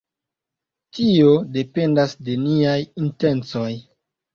Tio dependas de niaj intencoj.